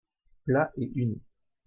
Plat et uni.